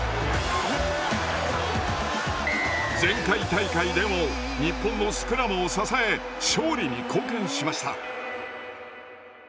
前回大会でも日本のスクラムを支え勝利に貢献しました。